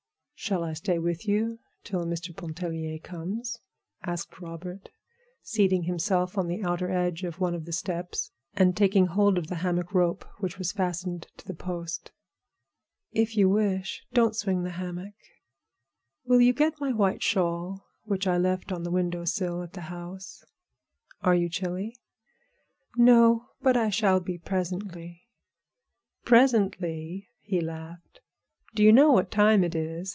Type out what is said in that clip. "Shall I stay with you till Mr. Pontellier comes?" asked Robert, seating himself on the outer edge of one of the steps and taking hold of the hammock rope which was fastened to the post. "If you wish. Don't swing the hammock. Will you get my white shawl which I left on the window sill over at the house?" "Are you chilly?" "No; but I shall be presently." "Presently?" he laughed. "Do you know what time it is?